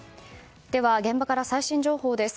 では、現場から最新情報です。